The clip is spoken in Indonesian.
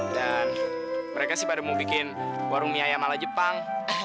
dan mereka sih pada mau bikin warung mi ayam ala jepang